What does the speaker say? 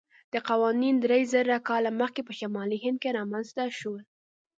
دا قوانین درېزره کاله مخکې په شمالي هند کې رامنځته شول.